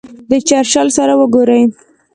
د چرچل سره وګوري.